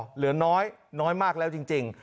เหลือน้อยน้อยมากแล้วจริง